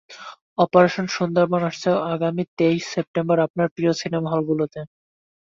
Operation Sundarban আসছে আগামী তেইশ সেপ্টেম্বর আপনার প্রিয় সিনেমা হলগুলোতে।